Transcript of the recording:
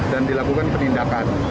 dan dilakukan penindakan